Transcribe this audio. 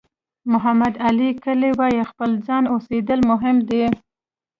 محمد علي کلي وایي خپل ځان اوسېدل مهم دي.